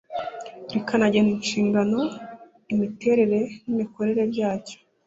Rikanagena inshingano imiterere n imikorere byacyo